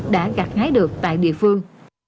đã gạt hái được tại địa phương